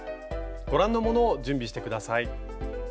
ご覧のものを準備して下さい。